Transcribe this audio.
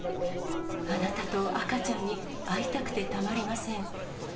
あなたと赤ちゃんに会いたくてたまりません。